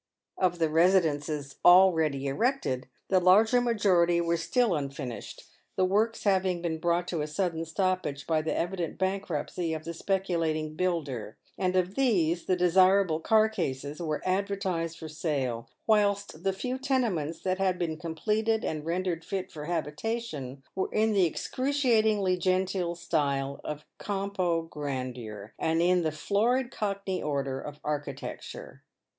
Of the residences already erected, the larger majority were still unfinished, the works having been brought to a sudden stoppage by the evident bankruptcy of the speculating builder, and of these the " desibable caboases" were advertised for 42 PAVED WITH GOLD. sale ; whilst the few tenements that had been completed and rendered fit for habitation were in the excruciatingly genteel style of compo grandeur, and in the "florid Cockney order" of architecture.